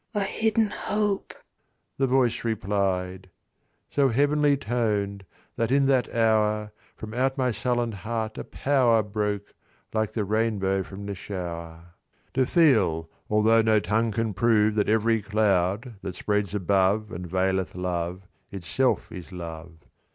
"A hidden hope," the voice replied: So heavenly toned, that in that hour From out my sullen heart a power Broke, like the rainbow from the shower, To feel, altho' no tongue can prove That every cloud, that spreads above And veileth love, itself is love.